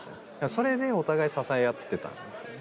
それでお互い支え合ってた。